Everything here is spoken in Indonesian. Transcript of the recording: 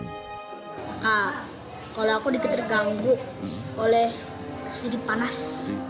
nah kalau aku diketerganggu oleh sedih panas